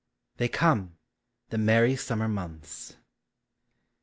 07 THEY COME! THE MERRY SUMMER MONTHS.